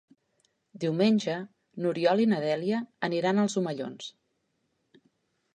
Diumenge n'Oriol i na Dèlia aniran als Omellons.